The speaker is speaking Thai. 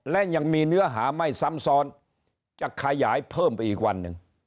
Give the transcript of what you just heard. และยังมีเนื้อหาไม่ซ้ำซ้อนจะขยายเพิ่มไปอีกวันหนึ่ง